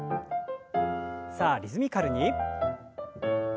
さあリズミカルに。